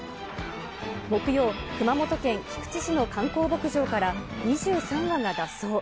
木曜、熊本県菊池市の観光牧場から、２３羽が脱走。